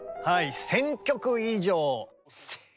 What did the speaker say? １，０００曲以上。